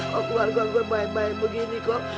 kok keluarga gue baik baik begini kok